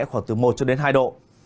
khoảng từ một cho đến hai độ